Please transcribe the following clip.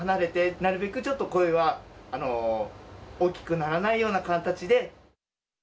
なるべくちょっと声は大きくならないような形で。